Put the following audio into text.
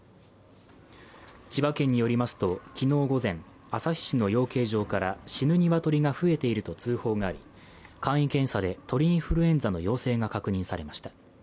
千葉県によりますと昨日午前、旭市の養鶏場から死ぬ鶏が増えていると通報があり、簡易検査で鳥インフルエンザの陽性が確認されました。